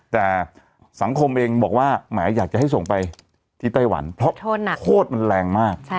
แต่สังคมเองบอกว่าอยากจะให้ส่งไปที่ไต้หวเพราะโทษมาก